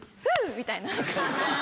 みたいな。